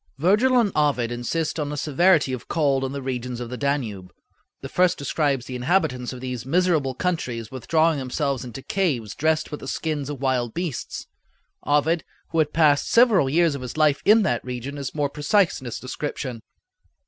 Virgil and Ovid insist on the severity of cold in the regions of the Danube. The first describes the inhabitants of these miserable countries withdrawing themselves into caves dressed with the skins of wild beasts. Ovid, who had passed several years of his life in that region, is more precise in his description.